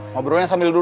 ngobrolnya sambil duduk